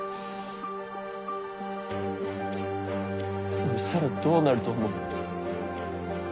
そしたらどうなると思う？